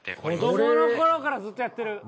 子供の頃からずっとやってる。